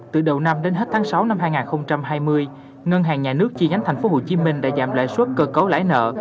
từ đầu năm đến hết tháng sáu năm hai nghìn hai mươi ngân hàng nhà nước chi nhánh tp hcm đã giảm lãi suất cơ cấu lãi nợ